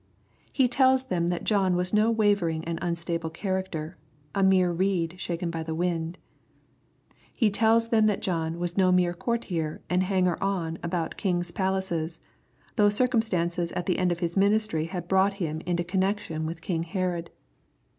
He tells them that John was no wavering and unstable character, a mere reed shaken by the wind. He tells them that John was no mere courtier and hanger on about king's palaces, though circumstances at the end of his ministry had brought him into connex ion with king Herod.